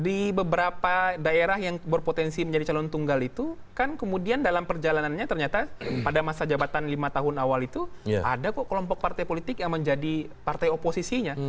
di beberapa daerah yang berpotensi menjadi calon tunggal itu kan kemudian dalam perjalanannya ternyata pada masa jabatan lima tahun awal itu ada kok kelompok partai politik yang menjadi partai oposisinya